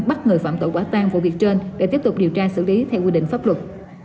bắt người phạm tội quả tan vụ việc trên để tiếp tục điều tra xử lý theo quy định pháp luật